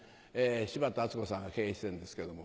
柴田厚子さんが経営してるんですけども。